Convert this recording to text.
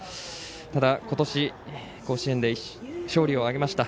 ただ今年、甲子園で勝利を挙げました。